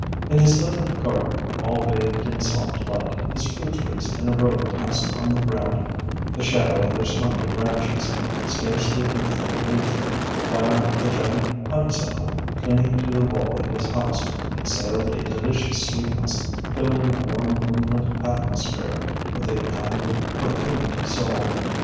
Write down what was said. In his little garden, all bathed in soft light, his fruit trees in a row cast on the ground the shadow of their slender branches, scarcely in full leaf, while the giant honeysuckle, clinging to the wall of his house, exhaled a delicious sweetness, filling the warm moonlit atmosphere with a kind of perfumed soul.